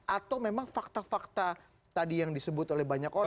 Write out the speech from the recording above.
atau memang fakta fakta tadi yang disebut oleh banyak orang